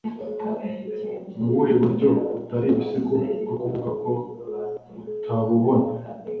Nubuhe buryo butari ibisigo bwo kuvuga ko utabubona